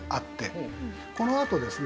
このあとですね